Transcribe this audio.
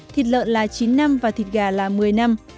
thịt lợn là chín năm và thịt gà là một mươi năm